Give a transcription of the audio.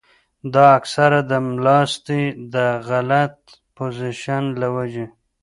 دا اکثر د ملاستې د غلط پوزيشن له وجې